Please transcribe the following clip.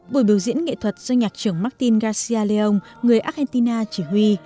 bộ biểu diễn nghệ thuật do nhạc trưởng martin garcia leong người argentina chỉ huy